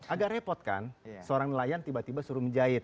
agak repot kan seorang nelayan tiba tiba suruh menjahit